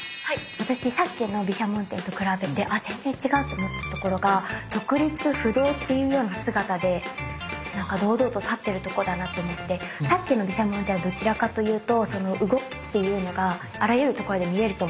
私さっきの毘沙門天と比べて全然違うと思ったところが直立不動っていうような姿で何か堂々と立ってるとこだなと思ってさっきの毘沙門天はどちらかというと動きっていうのがあらゆるところで見れると思うんですよ。